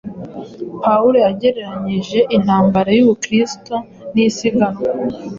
pawulo yagereranyije intambara y’umukristo n’isiganwa